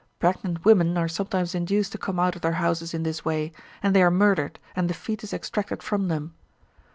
Pregnant women are sometimes induced to come out of their houses in this way, and they are murdered, and the foetus extracted from them.